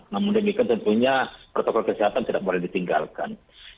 namun demikian tentunya protokol kesehatan tidak boleh ditinggalkan